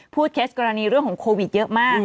เคสกรณีเรื่องของโควิดเยอะมาก